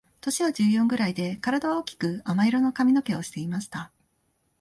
年は十四ぐらいで、体は大きく亜麻色の髪の毛をしていました。